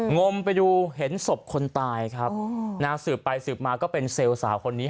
งมไปดูเห็นศพคนตายครับสืบไปสืบมาก็เป็นเซลล์สาวคนนี้